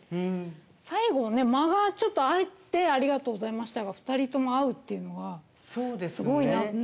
最後ね間がちょっとあいてありがとうございましたが２人とも合うっていうのはすごいなって。